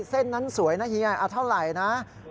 เส้นนั้นสวยนะเฮียเอาเท่าไหร่นะ